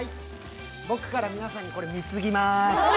僕から皆さんに、これ貢ぎます。